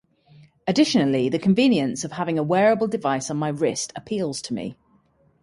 Additionally, the convenience of having a wearable device on my wrist appeals to me.